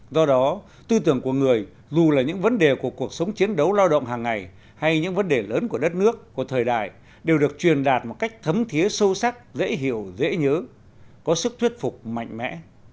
do đó tư tưởng của người dù là những vấn đề của cuộc sống chiến đấu lao động hàng ngày hay những vấn đề lớn của đất nước của thời đại đều được truyền đạt một cách thấm thiế sâu sắc dễ hiểu dễ nhớ có sức thuyết phục mạnh mẽ